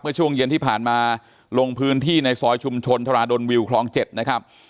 ช่วงเย็นที่ผ่านมาลงพื้นที่ในซอยชุมชนทราดลวิวคลอง๗นะครับ